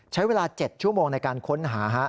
ใช้เวลา๗ชั่วโมงในการค้นหา